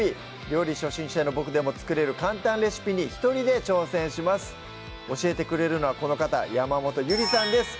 料理初心者のボクでも作れる簡単レシピに一人で挑戦します教えてくれるのはこの方山本ゆりさんです